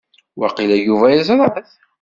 Waqila Yuba yeẓra-t.